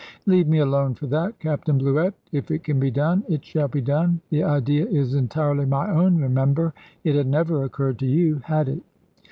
"Leave me alone for that, Captain Bluett; if it can be done it shall be done. The idea is entirely my own, remember. It had never occurred to you, had it?"